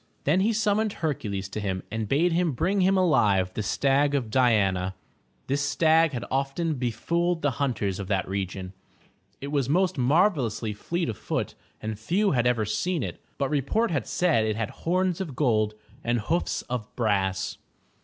Then he siunmoned Hercules to him and bade him bring him alive the stag of Di an'a. This stag had often befooled the himters of that region. It was most marvelously fleet of foot and few had ever seen it. But report had said it had horns of gold, and hoofs of brass.